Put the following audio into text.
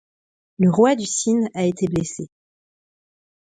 Le roi du Sine a été blessé.